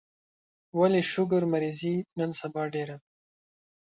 ولي شوګر مريضي نن سبا ډيره ده